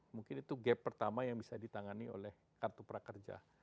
mungkin itu gap pertama yang bisa ditangani oleh kartu prakerja